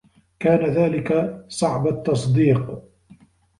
كان ذلك صعب التصديق.